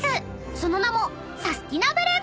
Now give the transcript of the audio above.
その名も］